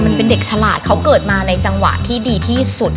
มันเป็นเด็กฉลาดเขาเกิดมาในจังหวะที่ดีที่สุด